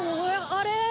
あれ？